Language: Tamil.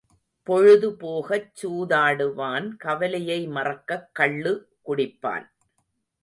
பொழுது போகச் சூதாடுவான் கவலையை மறக்கக் கள்ளு குடிப்பான்.